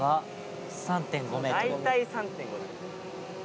大体３．５。